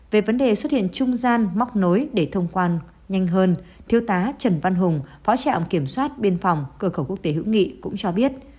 về vấn đề xuất hiện trung gian móc nối để thông quan nhanh hơn thiêu tá trần văn hùng phó trạm kiểm soát biên phòng cửa khẩu quốc tế hữu nghị cũng cho biết